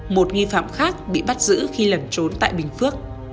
một nghi phạm khác bị bắt giữ khi lẩn trốn tại bình phước